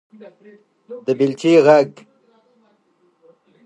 _د بېلچې غږ